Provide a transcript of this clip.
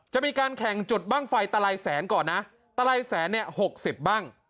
จะมีการแข่งจุดบ้างไฟตลายแสนก่อนนะตลายแสนเนี่ยหกสิบบ้าง